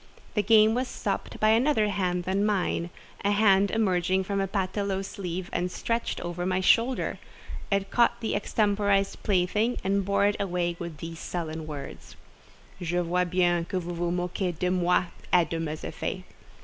The game was stopped by another hand than mine—a hand emerging from a paletôt sleeve and stretched over my shoulder; it caught the extemporised plaything and bore it away with these sullen words: "Je vois bien que vous vous moquez de moi et de mes effets."